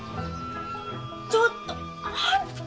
ちょっとあんた！